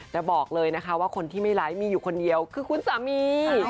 แต่บอกเลยนะคะว่าคนที่ไม่ไร้มีอยู่คนเดียวคือคุณสามี